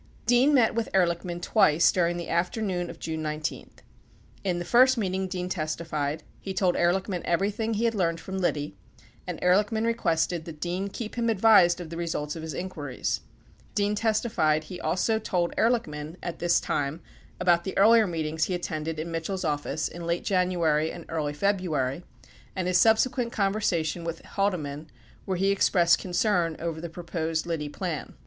90 Dean met with Ehrlichman twice during the afternoon of J une 19. In the first meeting, Dean testified, he told Ehrlichman everything he had learned from Liddy, and Ehrlichman requested that Dean keep him advised of the results of his inquiries. Dean testified he also told Ehrlichman at this time about the earlier meetings he attended in Mitchell's office in late January and early February and his subse quent conversation with Haldeman where he expressed concern oyer the proposed Liddy plan.